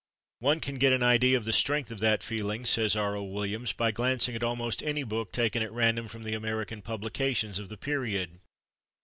"One can get an idea of the strength of that feeling," says R. O. Williams, "by glancing at almost any book taken at random from the American publications of the period.